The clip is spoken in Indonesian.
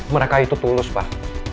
mereka itu tulus pak